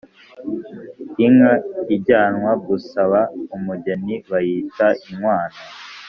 Inka ijyanwa gusaba umugenibayita inkwano